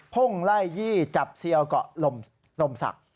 พุ่งไล่ยี่จับเซียวเกาะลมศักดิ์